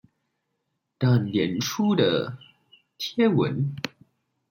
但臉書的貼文